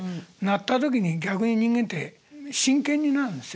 なった時に逆に人間って真剣になるんですよね。